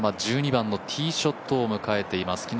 松山１２番のティーショットを迎えています。